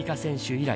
以来